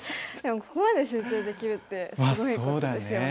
ここまで集中できるってすごいことですよね。